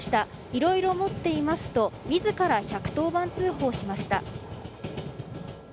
いろいろ持っていますと自ら１１０番通報しました。